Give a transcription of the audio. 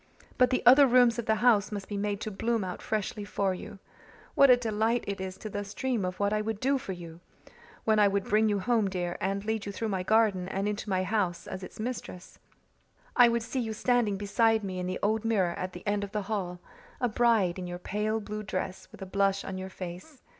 But the other rooms of the house must be made to bloom out freshly for you. What a delight it is thus to dream of what I would do for you! Then I would bring you home, dear, and lead you through my garden and into my house as its mistress. I would see you standing beside me in the old mirror at the end of the hall a bride, in your pale blue dress, with a blush on your face.